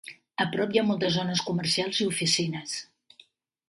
A prop hi ha moltes zones comercials i oficines.